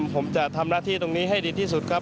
ผมจะทำหน้าที่ตรงนี้ให้ดีที่สุดครับ